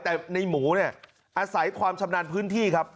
แต่ในหมูเนี่ยอาศัยความชำนาญพื้นที่ครับ